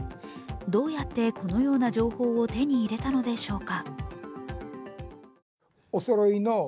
どうやってこのような情報を手に入れたのでしょうか？